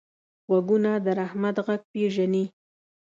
غوږونه د رحمت غږ پېژني